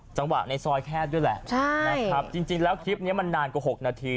จังหวะในซอยแคบด้วยแหละนะครับจริงแล้วคลิปนี้มันนานกว่า๖นาที